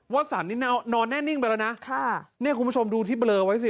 สันนี่นอนแน่นิ่งไปแล้วนะค่ะเนี่ยคุณผู้ชมดูที่เบลอไว้สิ